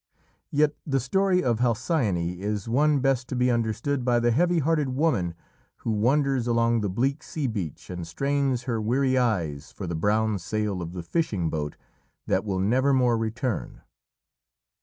Yet the story of Halcyone is one best to be understood by the heavy hearted woman who wanders along the bleak sea beach and strains her weary eyes for the brown sail of the fishing boat that will never more return.